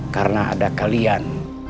karena ada kalian